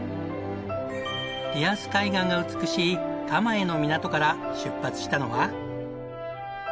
リアス海岸が美しい蒲江の港から出発したのは。